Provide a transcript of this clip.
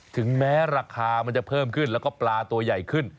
ถึงแม้ราคามันจะเพิ่มขึ้นแล้วก็ปลาตัวใหญ่ขึ้น